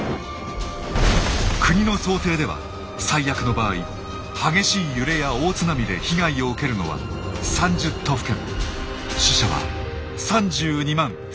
国の想定では最悪の場合激しい揺れや大津波で被害を受けるのは３０都府県。